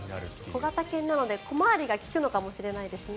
小型犬なので小回りが利くのかもしれないですね。